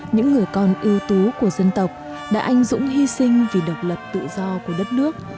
những người con ưu tú của dân tộc đã anh dũng hy sinh vì độc lập tự do của đất nước